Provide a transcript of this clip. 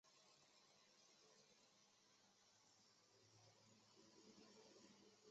城市附近是森林。